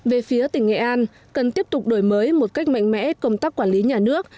về phía tỉnh nghệ an cần tiếp tục đổi mới một cách mạnh mẽ công tác quản lý nhà nước